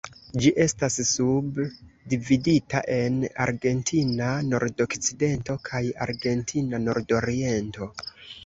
Ĝi estas subdividita en Argentina Nordokcidento kaj Argentina Nordoriento.